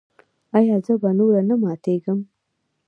ایا زه به نور نه ماتیږم؟